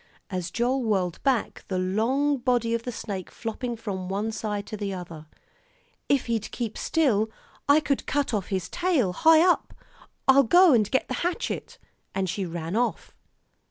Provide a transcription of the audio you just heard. as Joel whirled back, the long body of the snake flopping from one side to the other. "If he'd keep still, I could cut off his tail high up. I'll go and get the hatchet " and she ran off.